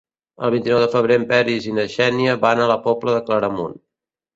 El vint-i-nou de febrer en Peris i na Xènia van a la Pobla de Claramunt.